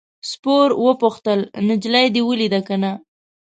سپور وپوښتل نجلۍ دې ولیده که نه.